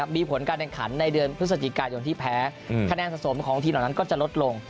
มีผลการแข่งขันในเดือนพฤศจิกายนที่แพ้คะแนนสะสมของทีมเหล่านั้นก็จะลดลง